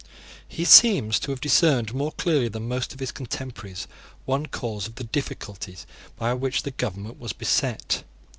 He seems to have discerned more clearly than most of his contemporaries one cause of the difficulties by which the government was beset.